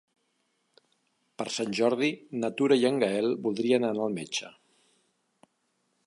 Per Sant Jordi na Tura i en Gaël voldria anar al metge.